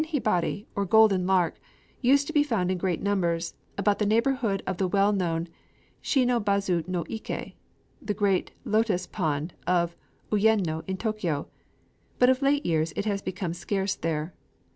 _ The kin hibari, or "Golden Lark" used to be found in great numbers about the neighborhood of the well known Shino bazu no iké, the great lotos pond of Uyeno in Tōkyō; but of late years it has become scarce there.